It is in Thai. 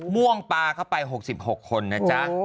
มวงปลาเข้าไปหกสิบหกคนนะจ๊ะ